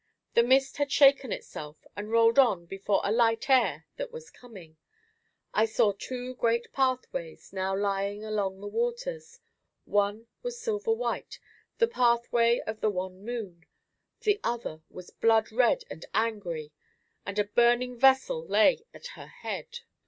The mist had shaken itself and rolled on before a light air that was coming. I saw two great pathways now lying along the waters; one was silver white, the pathway of the wan moon, the other was blood red and angry, and a burning vessel lay at her head.